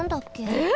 えっ！？